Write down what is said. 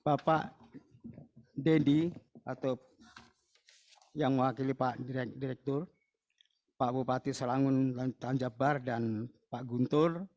bapak dedy atau yang mewakili pak direktur pak bupati serangun tanjab bar dan pak guntur